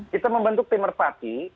kita membentuk temerpati